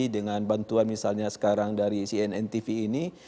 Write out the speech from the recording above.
dengan bantuan misalnya sekarang dari cnn tv ini